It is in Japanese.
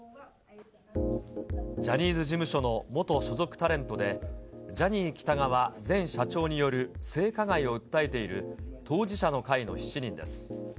ジャニーズ事務所の元所属タレントで、ジャニー喜多川前社長による性加害を訴えている当事者の会の７人です。